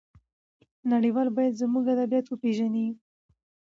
نړيوال بايد زموږ ادبيات وپېژني.